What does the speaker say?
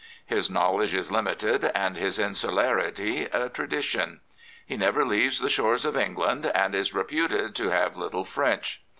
His knowledge is limited, and his insularity a tradition. He never leaves the shores of England, and is reputed to have little French.